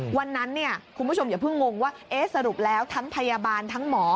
วันนั้นคุณผู้ชมอย่าเพิ่งงงว่าสรุปแล้วทั้งพยาบาลทั้งหมอ